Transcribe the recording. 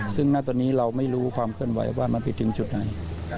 ซึ่งณตอนนี้เราไม่รู้ความเคลื่อนไหวว่ามันผิดถึงจุดไหน